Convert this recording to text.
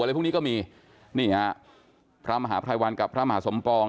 อะไรพวกนี้ก็มีนี่ฮะพระมหาภัยวันกับพระมหาสมปอง